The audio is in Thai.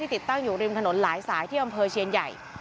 ติดตั้งอยู่ริมถนนหลายสายที่อำเภอเชียนใหญ่